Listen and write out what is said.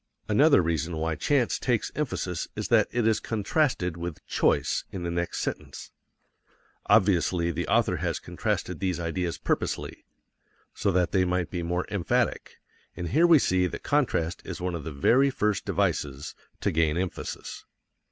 Another reason why chance takes emphasis is that it is contrasted with choice in the next sentence. Obviously, the author has contrasted these ideas purposely, so that they might be more emphatic, and here we see that contrast is one of the very first devices to gain emphasis.